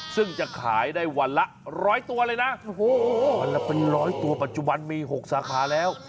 ซึ่งจะขายได้วันละ๑๐๐ตัวเลยนะวันละเป็นร้อยตัวปัจจุบันมี๖สาขาแล้ว